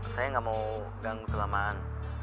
saya nggak mau ganggu kelamaan